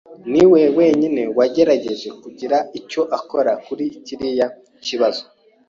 niwe wenyine wagerageje kugira icyo akora kuri kiriya kibazo.